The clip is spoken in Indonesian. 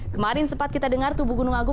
kemarin sempat kita dengar tubuh gunung agung